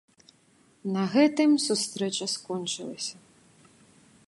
На гэтым сустрэча скончылася.